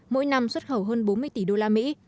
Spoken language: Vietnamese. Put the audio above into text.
mỗi năm xuất khẩu hơn bốn mươi tỷ usd